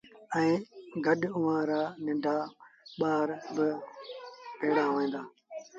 ائيٚݩ گڏ اُئآݩ رآ ننڍآ ٻآر با ڀيڙآ هوئين دآ